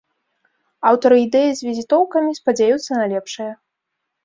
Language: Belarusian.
Аўтары ідэі з візітоўкамі спадзяюцца на лепшае.